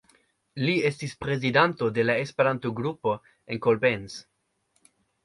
Li estis prezidanto de Esperanto-grupo en Koblenz.